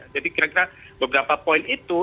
jadi kira kira beberapa poin itu